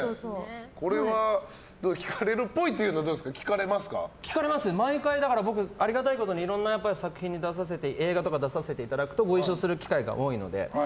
これは聞かれるっぽいっていうのは聞かれます、僕毎回ありがたいことにいろんな作品に出させていただいて映画とか出させていただくとご一緒する機会が多いので。